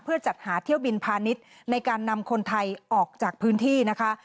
เพื่อจัดหาเที่ยวบินพาณิชย์ในการนำคนไทยออกจากพื้นที่นะคะ